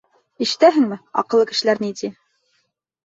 Ишетәһеңме, аҡыллы кешеләр ни ти?